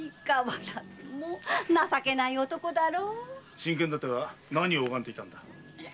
真剣だったが何を拝んでいたんだ？